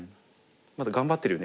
まず頑張ってるよね